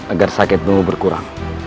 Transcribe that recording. agar sakitmu berkurang